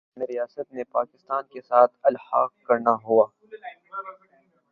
سوات کرنا ریاست نے پاکستان کا ساتھ الحاق کرنا ہونا